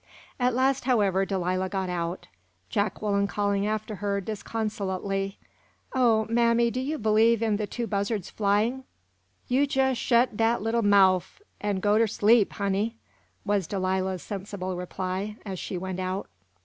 At last, however, Delilah got out, Jacqueline calling after her disconsolately: "O mammy, do you believe in the two buzzards flying " "You jes' shet dat little mouf, an' go ter sleep, honey," was Delilah's sensible reply, as she went out.